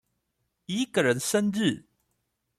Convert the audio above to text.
一個人生日